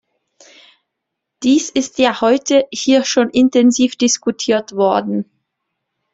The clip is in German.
Dies ist ja heute hier schon intensiv diskutiert worden.